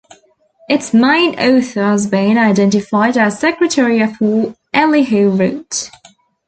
Its main author has been identified as Secretary of War Elihu Root.